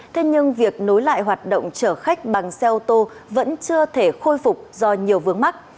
thế nhưng việc nối lại hoạt động chở khách bằng xe ô tô vẫn chưa thể khôi phục do nhiều vướng mắt